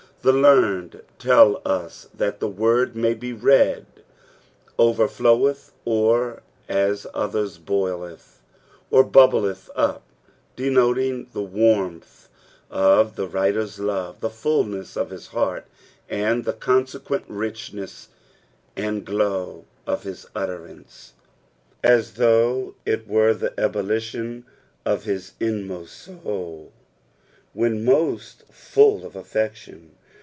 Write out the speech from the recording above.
The learned tell ua that the word may be read orerfloweth, or as others, boiletb or bubbleth up, denoting the warmth of Iho writer's love, the fulness of his heart, and the consequent ricbneas and glow of his utterance, as though it were the ebullition of his inmost soul, when most full of affection.